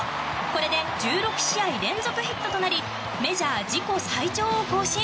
これで１６試合連続ヒットとなりメジャー自己最長を更新。